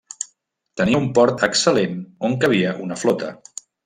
Tenia un port excel·lent on cabia una flota.